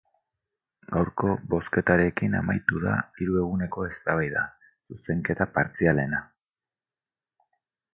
Gaurko bozketarekin amaitu da hiru eguneko eztabaida, zuzenketa partzialena.